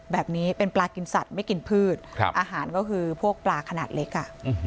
แบบนี้เป็นปลากินสัตว์ไม่กินพืชอาหารก็คือพวกปลาขนาดเล็ก